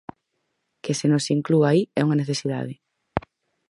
Que se nos inclúa aí é unha necesidade!